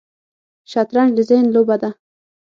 شطرنج د ذهن لوبه ده